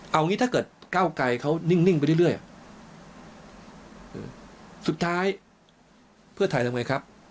เอางี้ถ้าเกิดก้าวไกลเขานิ่งไปเรื่อยสุดท้ายเพื่อไทยทำไงครับ